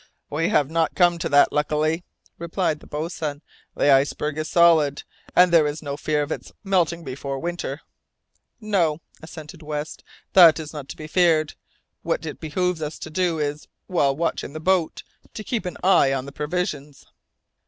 "We have not come to that, luckily," replied the boatswain. "The iceberg is solid, and there is no fear of its melting before winter." "No," assented West, "that is not to be feared. What it behoves us to do is, while watching the boat, to keep an eye on the provisions."